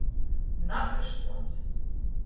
Nakryškuons!